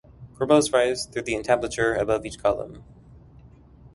Corbels rise through the entablature above each column.